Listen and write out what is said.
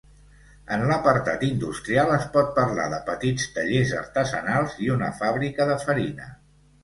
En l'apartat industrial es pot parlar de petits tallers artesanals i una fàbrica de farina.